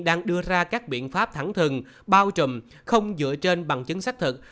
đang đưa ra các biện pháp thẳng thừng bao trùm không dựa trên bằng chứng xác thực